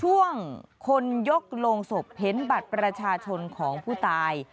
ช่วงคนยกโรงศพเห็นบัตรประชาชนของผู้ตาย